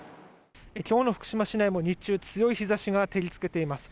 きょうの福島市内も日中、強い日ざしが照りつけています。